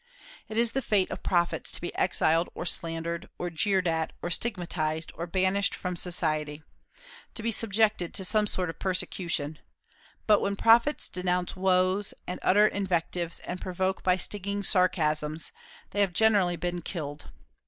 It is the fate of prophets to be exiled, or slandered, or jeered at, or stigmatized, or banished from society, to be subjected to some sort of persecution; but when prophets denounce woes, and utter invectives, and provoke by stinging sarcasms, they have generally been killed.